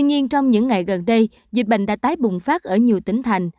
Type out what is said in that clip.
nhưng trong những ngày gần đây dịch bệnh đã tái bùng phát ở nhiều tỉnh thành